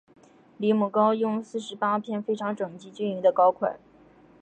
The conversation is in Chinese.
离母糕用四十八片非常整齐均匀的糕块。